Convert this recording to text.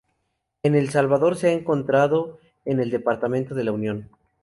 En El Salvador se ha encontrado en El departamento de La Unión.